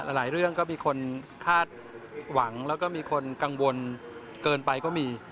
หลายเรื่องก็มีคนคาดหวังแล้วก็มีคนกังวลเกินไปก็มี